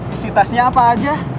isi tasnya apa aja